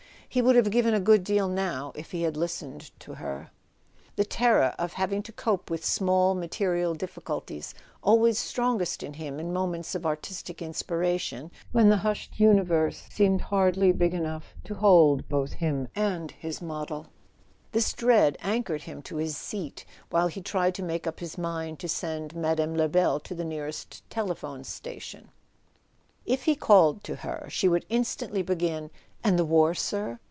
He would have given a good deal now if he had lis¬ tened to her. The terror of having to cope with small material difficulties, always strongest in him in mo¬ ments of artistic inspiration—when the hushed universe seemed hardly big enough to hold him and his model —this dread anchored him to his seat while he tried to make up his mind to send Mme. Lebel to the nearest telephone station. If he called to her, she would instantly begin: "And the war, sir?"